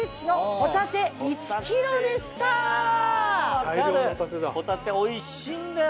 ホタテおいしいんだよ！